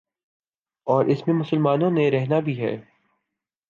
اور اس میں مسلمانوں نے رہنا بھی ہے۔